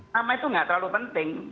nama itu nggak terlalu penting